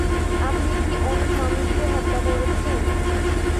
আপনি কি অনেক মানুষকে হত্যা করেছেন?